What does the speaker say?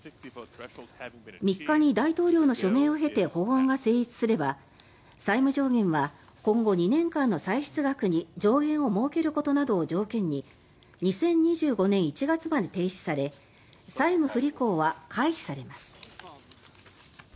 ３日に大統領の署名を経て法案が成立すれば債務上限は今後２年間の歳出額に上限を設けることなどを条件に２０２５年１月まで停止され債務不履行は回避されます。